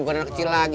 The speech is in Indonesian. bukan anak kecil lagi